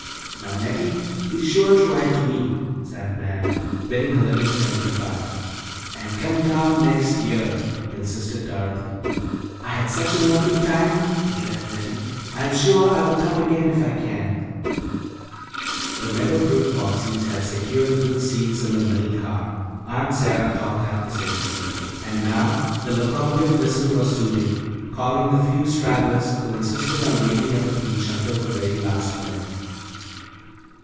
"Now, Nettie, be sure to write to me," said Nan, bidding her little friend good by. "And come down next year," insisted Dorothy. "I had such a lovely time," declared Nettie. "I'm sure I will come again if I can." The Meadow Brook Bobbseys had secured good seats in the middle car, Aunt Sarah thought that the safest, and now the locomotive whistle was tooting, calling the few stragglers who insisted on waiting at the beach until the very last minute.